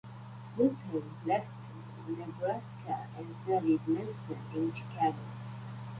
Flippin left Nebraska and studied medicine in Chicago.